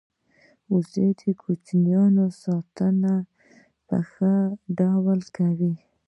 وزې د کوچنیانو ساتنه په ښه ډول کوي